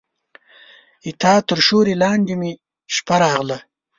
ستا تر سیوري لاندې مې شپه راغله